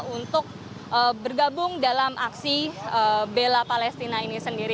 untuk bergabung dalam aksi bela palestina ini sendiri